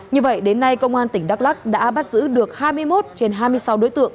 như vậy đến nay công an tỉnh đắk lắc đã bắt giữ được hai mươi một trên hai mươi sáu đối tượng